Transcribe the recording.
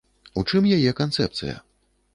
У чым яе канцэпцыя?